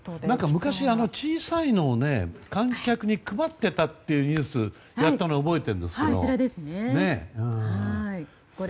昔、小さいのを観客に配ってたというニュースをやったのを覚えてるんですけど。